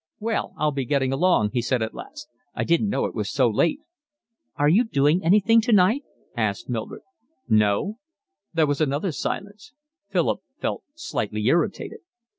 "Well, I'll be getting along," he said at last. "I didn't know it was so late." "Are you doing anything tonight?" asked Mildred. "No." There was another silence. Philip felt slightly irritated.